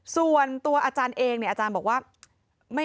ส่วนตัวอาจารย์เองเนี่ยอาจารย์บอกว่า